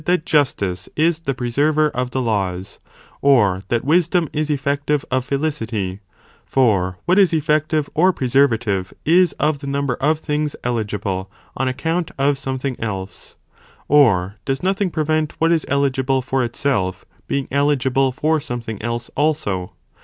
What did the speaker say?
that justice, is the preserver of the laws, or that gible "ἐ propter wisdom, is effective of felicity, for what is effective, ila or preservative, is of the number of things eligible on account of something else. Or does nothing prevent what is eligible for itself, being eligible for something else also?